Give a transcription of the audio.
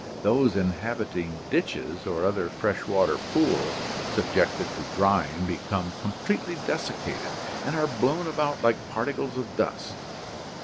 Those inhabiting ditches or other fresh water pools subjected to drying become 212 ORGANIC EVOLUTION completely desiccated and are blown about like particles of dust.